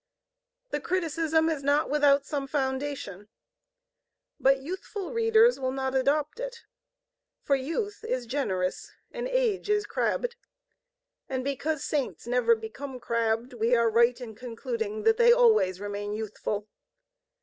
The criticism is not without some foundation; but youthful readers will not adopt it. For youth is generous, and age is crabbed. And because Saints never become crabbed we are right in concluding that they always remain youthful.